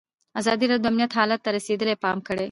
ازادي راډیو د امنیت حالت ته رسېدلي پام کړی.